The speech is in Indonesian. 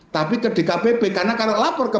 tapi ke dkpp karena lapor ke